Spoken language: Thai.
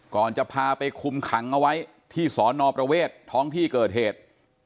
ก่อนจะพาไปคุมขังเอาไว้ที่สอนอประเวทท้องที่เกิดเหตุ